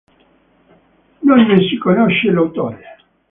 Non ne si conosce l'autore.